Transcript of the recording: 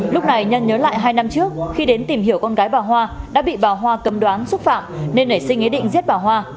lúc này nhân nhớ lại hai năm trước khi đến tìm hiểu con gái bà hoa đã bị bà hoa cấm đoán xúc phạm nên nảy sinh ý định giết bà hoa